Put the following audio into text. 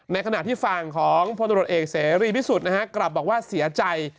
ในขณะที่ฝั่งของพลตรวจเอกเสรีพิสุทธิ์นะฮะกลับบอกว่าเสียใจ